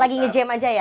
lagi nge jam aja ya